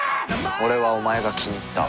「俺はお前が気に入った」